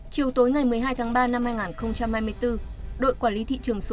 chiều tối ngày một mươi hai tháng ba năm hai nghìn hai mươi bốn đội quản lý thị trường số một